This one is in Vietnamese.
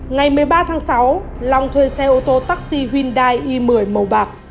ngày một mươi ba tháng sáu long thuê xe ô tô taxi hyundai i một mươi màu bạc